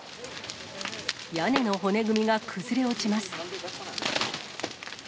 屋根の骨組みが崩れ落ちます。